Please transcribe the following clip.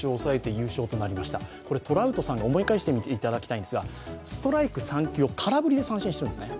トラウトさんが、思い返してみていただきたいんですがストライク３球を空振りで三振しているんですね。